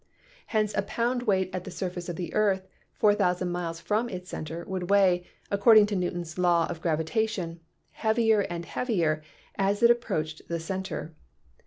Hence a pound weight at the surface of the earth, 4,000 miles from its center, would weigh, according to Newton's law of gravitation, heavier and heavier as it approached the center.